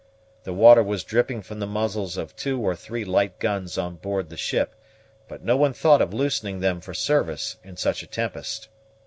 The water was dripping from the muzzles of two or three light guns on board the ship, but no one thought of loosening them for service in such a tempest.